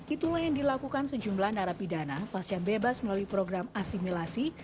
itulah yang dilakukan sejumlah narapidana pasca bebas melalui program asimilasi